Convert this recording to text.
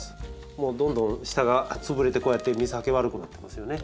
もうどんどん下が潰れてこうやって水はけ悪くなってますよね。